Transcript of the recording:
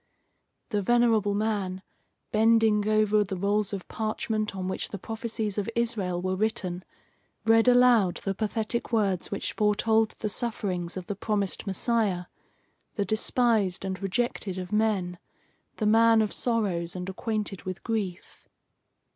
The venerable man, bending over the rolls of parchment on which the prophecies of Israel were written, read aloud the pathetic words which foretold the sufferings of the promised Messiah the despised and rejected of men, the man of sorrows and acquainted with grief.